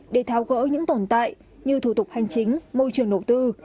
để thao gỡ những tồn tại như thủ tục hành chính môi trường nổ tư